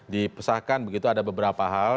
dipesahkan begitu ada beberapa hal